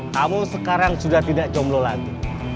kamu sekarang sudah tidak jomlo lagi